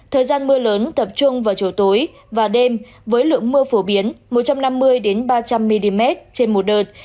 thời gian mưa lớn tập trung vào chiều tối và đêm với lượng mưa phổ biến một trăm năm mươi ba trăm linh mm trên một đợt